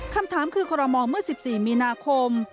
คำถามคือคอรมอลเมื่อ๑๔มีนาคม